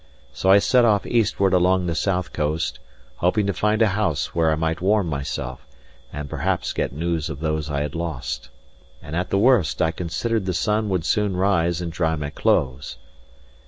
So I set off eastward along the south coast, hoping to find a house where I might warm myself, and perhaps get news of those I had lost. And at the worst, I considered the sun would soon rise and dry my clothes.